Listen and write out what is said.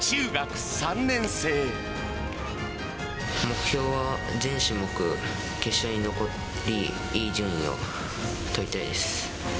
目標は、全種目決勝に残り、いい順位を取りたいです。